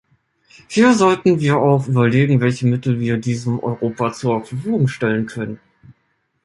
Hier sollten wir auch überlegen, welche Mittel wir diesem Europa zur Verfügung stellen können.